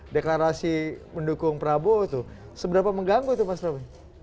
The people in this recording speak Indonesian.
deklarasi mendukung prabowo itu seberapa mengganggu itu mas romy